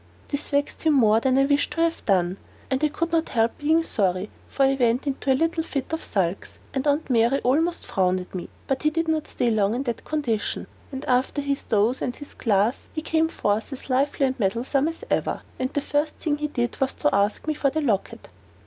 This vexed him more than I wished to have done, and I could not help being sorry; for he went into a little fit of sulks, and Aunt Mary almost frowned at me. But he could not stay long in that condition, and after his doze and his glass he came forth as lively and meddlesome as ever. And the first thing he did was to ask me for the locket.